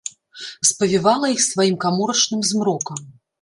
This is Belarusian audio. Спавівала іх сваім каморачным змрокам.